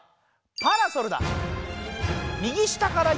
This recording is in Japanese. パラソル！